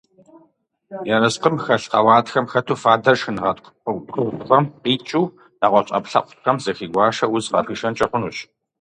Ерыскъым хэлъ къэуатхэм хэту фадэр шхынгъэткӀу пкъыгъухэм къикӀыу, нэгъуэщӀ Ӏэпкълъэпкъхэм зыхигуашэу, уз къахуишэнкӀи хъунущ.